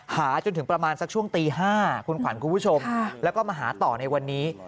หาจนถึงประมาณสักช่วงตี๕คุณขวัญคุณผู้ชมแล้วก็มาหาต่อในวันนี้